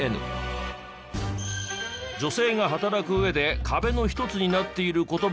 女性が働く上で壁の一つになっている言葉なんですが。